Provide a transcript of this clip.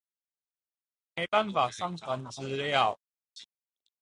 沒辦法上傳資料